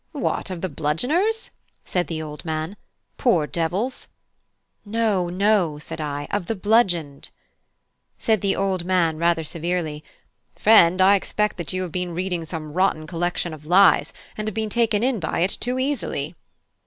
"What, of the bludgeoners?" said the old man. "Poor devils!" "No, no," said I, "of the bludgeoned." Said the old man rather severely: "Friend, I expect that you have been reading some rotten collection of lies, and have been taken in by it too easily."